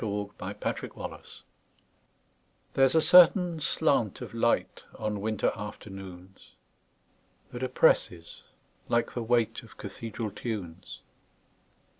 Part Two: Nature LXXXII THERE'S a certain slant of light, On winter afternoons, That oppresses, like the weightOf cathedral tunes.